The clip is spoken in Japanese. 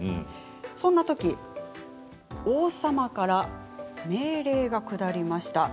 そんなとき王様から命令が下りました。